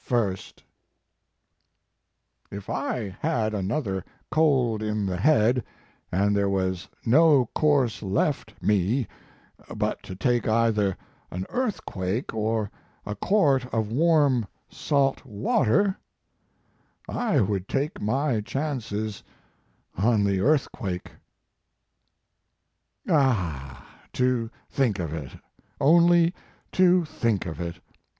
2O4 Mark Twain "If I had another cold in the head, and there was no course left me but to take either an earthquake or a quart of warm salt water, I would take my chances on the earthquake." "Ah, to think of it, only to think of it!